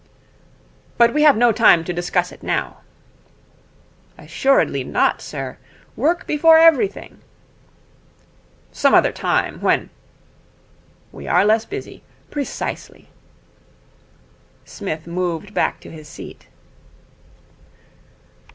'But we have no time to discuss it now.' 'Assuredly not, sir. Work before everything.' 'Some other time, when '' We are less busy. Precisely.' Psmith moved back to his seat.